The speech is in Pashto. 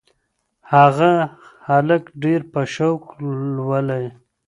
هغه هلک ډېر په شوق لولي.